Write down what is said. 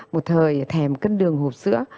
một thời thèm cân đường hộp sữa